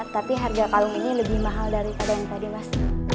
tapi harga kalung ini lebih mahal daripada yang tadi mas